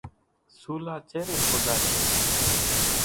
سُولا چيرين کوۮاشيَ۔